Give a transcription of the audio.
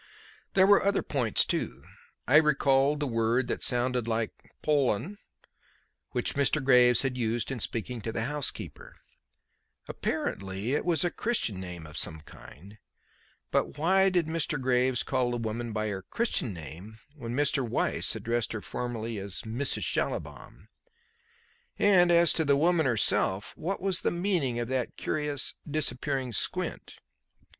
There were other points, too. I recalled the word that sounded like "Pol'n," which Mr. Graves had used in speaking to the housekeeper. Apparently it was a Christian name of some kind; but why did Mr. Graves call the woman by her Christian name when Mr. Weiss addressed her formally as Mrs. Schallibaum? And, as to the woman herself: what was the meaning of that curious disappearing squint?